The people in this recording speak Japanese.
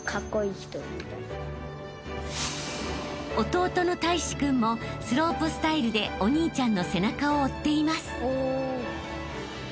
［弟の泰士君もスロープスタイルでお兄ちゃんの背中を追っています］